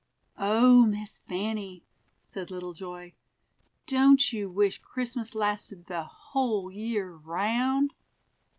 "Oh, Miss Fanny," said little Joy, "don't you wish Christmas lasted the whole year round?"